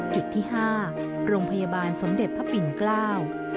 จุดที่๕โรงพยาบาลสมเด็จพระปิณกล้าว